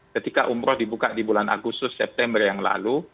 ketika umroh dibuka di bulan agustus september yang lalu